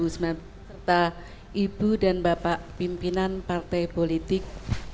serta ibu dan bapak pimpinan partai politik